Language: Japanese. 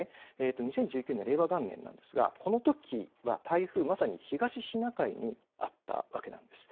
２０１９年、令和元年なんですがこのときは台風、まさに東シナ海にあったわけなんです。